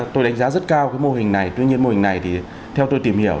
tôi đánh giá rất cao cái mô hình này tuy nhiên mô hình này thì theo tôi tìm hiểu